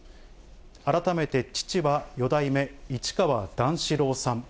改めて、父は四代目市川段四郎さん。